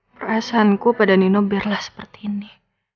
perasaanku pada nino biarlah seperti ini